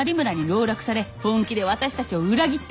本気で私たちを裏切った。